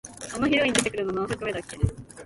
あのヒロイン出てくるの、何作目だっけ？